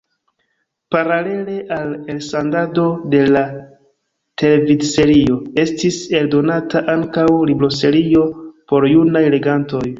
Paralele al elsendado de la televidserio estis eldonata ankaŭ libroserio por junaj legantoj.